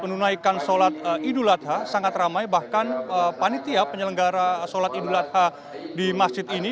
menunaikan sholat idul adha sangat ramai bahkan panitia penyelenggara sholat idul adha di masjid ini